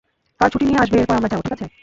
কাল ছুটি নিয়ে আসবে এরপর আমরা যাব, ঠিক আছে?